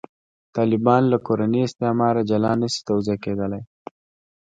طالبان له «کورني استعماره» جلا نه شي توضیح کېدای.